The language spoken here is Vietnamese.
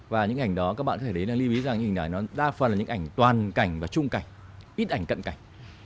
và những ảnh đó các bạn có thể thấy là lý bí rằng hình ảnh đó đa phần là những ảnh toàn cảnh và trung cảnh ít ảnh cận cảnh